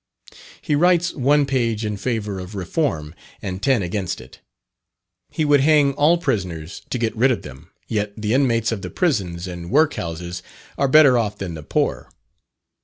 He writes one page in favour of Reform, and ten against it. He would hang all prisoners to get rid of them, yet the inmates of the prisons and "work houses are better off than the poor."